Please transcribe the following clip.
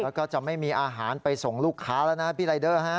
แล้วก็จะไม่มีอาหารไปส่งลูกค้าแล้วนะพี่รายเดอร์ฮะ